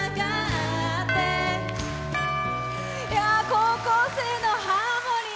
高校生のハーモニー。